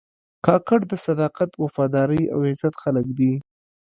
کاکړ د صداقت، وفادارۍ او عزت خلک دي.